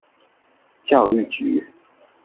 教育局